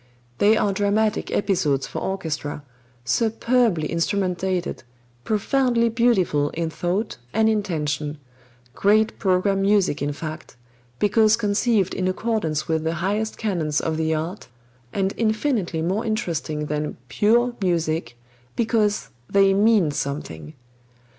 They are dramatic episodes for orchestra, superbly instrumentated, profoundly beautiful in thought and intention great program music in fact, because conceived in accordance with the highest canons of the art, and infinitely more interesting than "pure" music because they mean something.